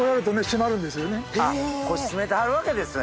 これ締めてはるわけですね。